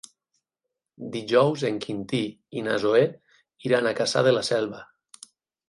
Dijous en Quintí i na Zoè iran a Cassà de la Selva.